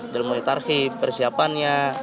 dalam litarki persiapannya